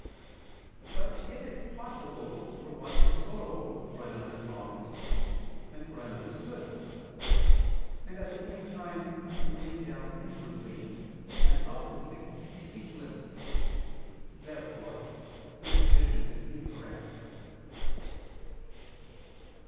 But it is possible for one to sorrow for another's wrongs, and for another's good, and at the same time to be weighed down inwardly, and outwardly to be speechless. Therefore this division is incorrect.